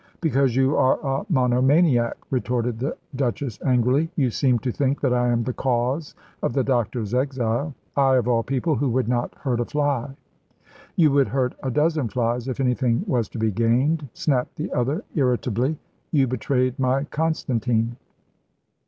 "Because you are a monomaniac," retorted the Duchess, angrily; "you seem to think that I am the cause of the doctor's exile. I, of all people, who would not hurt a fly." "You would hurt a dozen flies if anything was to be gained," snapped the other, irritably. "You betrayed my Constantine."